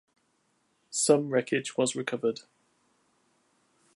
Some wreckage was recovered.